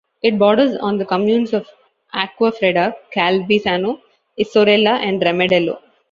It borders on the communes of Acquafredda, Calvisano, Isorella and Remedello.